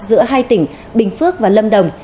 giữa hai tỉnh bình phước và lâm đồng